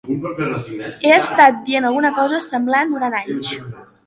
He estat dient alguna cosa semblant durant anys.